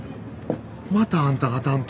またあんたが担当？